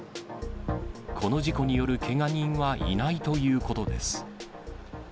この事故によるけが人はいないということです。